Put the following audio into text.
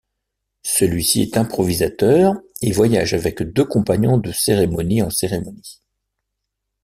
Celui-ci est improvisateur et voyage avec deux compagnons de cérémonie en cérémonie.